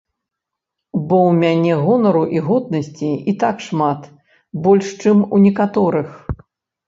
Бо ў мяне гонару і годнасці і так шмат, больш, чым у некаторых.